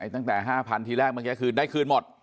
ตั้งแต่๕๐๐ทีแรกเมื่อกี้คือได้คืนหมด